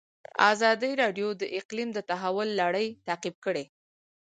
ازادي راډیو د اقلیم د تحول لړۍ تعقیب کړې.